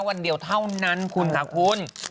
วันเดียวเท่านั้นคุณสาขุน